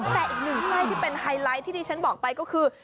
แต่อีกหนึ่งไส้ที่เป็นไฮไลท์ที่ที่ฉันบอกไปก็คือ